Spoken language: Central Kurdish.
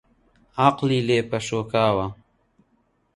عەقڵی لێ پەشۆکاوە